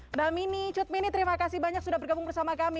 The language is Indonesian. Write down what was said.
mbak mini cutmini terima kasih banyak sudah bergabung bersama kami